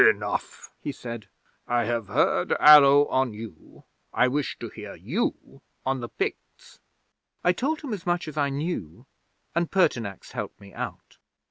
'"Enough," he said. "I have heard Allo on you. I wish to hear you on the Picts." 'I told him as much as I knew, and Pertinax helped me out.